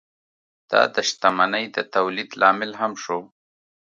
دا د شتمنۍ د تولید لامل هم شو.